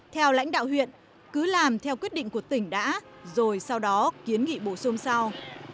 theo lãnh đạo huyện cứ làm theo quyết định của tỉnh đã rồi sau đó kiến nghị bổ sung sau